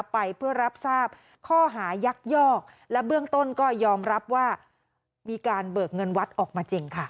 ไปเพื่อรับทราบข้อหายักยอกและเบื้องต้นก็ยอมรับว่ามีการเบิกเงินวัดออกมาจริงค่ะ